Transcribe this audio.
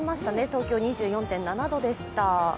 東京、２４．７度でした。